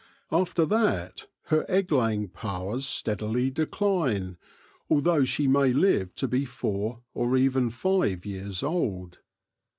After that, her egg laying powers steadily decline, although she may live to be four, or even five, years old.